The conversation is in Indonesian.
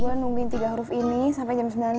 gue nungguin tiga huruf ini sampai jam sembilan